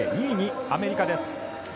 ２位にアメリカです。